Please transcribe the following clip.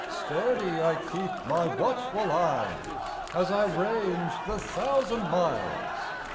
Steady I keep my watchful eyes, As I range the thousand miles.